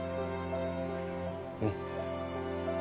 うん。